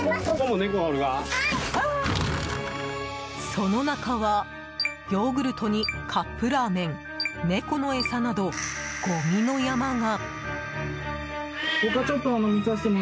その中は、ヨーグルトにカップラーメン、猫の餌などごみの山が。